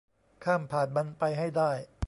ข้ามผ่านมันไปให้ได้